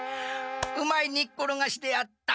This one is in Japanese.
うまいにっころがしであった。